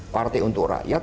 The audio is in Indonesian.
parti untuk rakyat